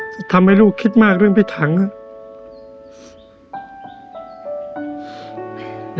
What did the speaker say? ทำให้ลูกคิดมากเรื่องพี่ถังครับ